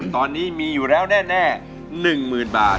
ตอนนี้มีอยู่แน่๑๐๐๐๐บาท